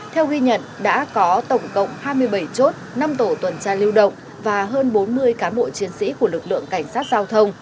theo ghi nhận đã có tổng cộng hai mươi bảy chốt năm tổ tuần tra lưu động và hơn bốn mươi cán bộ chiến sĩ của lực lượng cảnh sát giao thông